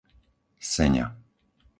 Seňa